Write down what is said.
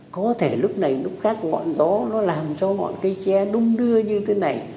có thể lúc này lúc khác ngọn gió làm cho ngọn cây trè đung đưa như thế này